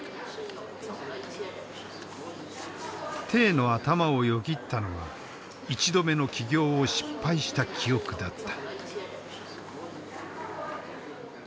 の頭をよぎったのは１度目の起業を失敗した記憶だった。